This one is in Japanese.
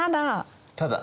ただ。